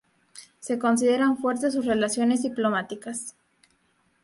Se consideran fuertes sus relaciones diplomáticas.